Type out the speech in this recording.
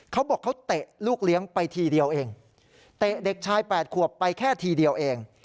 เขาบอกเขาเตะลูกเลี้ยงไปทีเดียวเองเตะเด็กชาย๘ขวบไปแค่ทีเดียวเอง